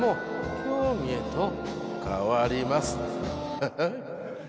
ハハッ。